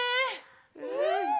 うん！